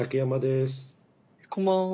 こんばんは。